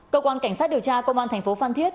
cơ quan cảnh sát điều tra công an tp phan thiết